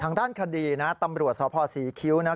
ทางด้านคดีนะตำรวจสภศรีคิ้วนะ